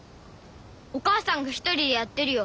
お母さんが一人でやってるよ。